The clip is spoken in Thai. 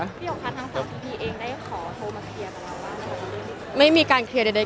พี่หยกคะทั้งสองทีพีเองได้ขอโทรมาเคลียร์ไม่มีการเคลียร์ใด